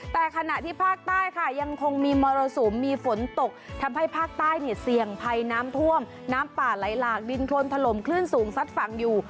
แต่ขณะที่ภาคใต้ค่ะยังคงมีมรสุมมีฝนตกทำให้ภาคใต้เนี่ยเสี่ยงภัยน้ำท่วมน้ำป่าไหลหลากดินโครนถล่มคลื่นสูงซัดฝั่งอยู่